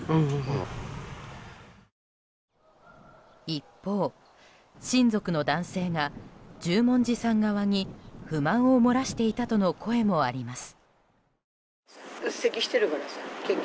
一方、親族の男性が十文字さん側に不満を漏らしていたとの声もあります。